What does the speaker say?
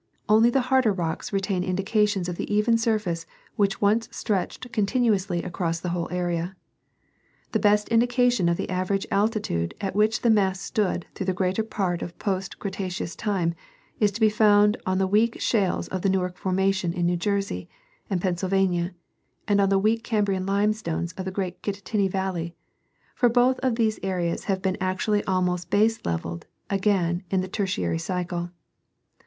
Only the harder rocks retain indications of the even surface which once stretched continuously across the whole area. The best indication of the average altitude at which the mass stood through the greater part of post Cretaceous time is to be found on the weak shales of the Newark formation in New Jersey and Pennsylvania, and on the weak Cambrian limestones of the great Kittatinny valley ; for both of these areas have been actually almost baselevelled again in the Tertiary cycle.